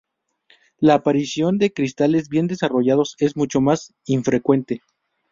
La aparición de cristales bien desarrollados es mucho más infrecuente.